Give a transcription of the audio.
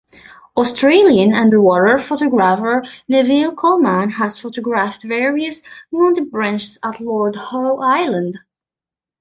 Australian underwater photographer Neville Coleman has photographed various nudibranchs at Lord Howe Island.